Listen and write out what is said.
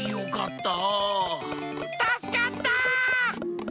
たすかった！